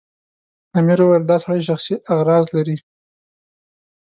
امیر وویل دا سړی شخصي اغراض لري.